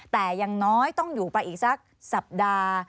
แต่ยังน้อยต้องอยู่ไปอีกสักสัปดาห์